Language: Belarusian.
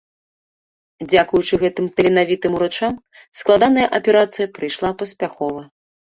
Дзякуючы гэтым таленавітым урачам, складаная аперацыя прайшла паспяхова.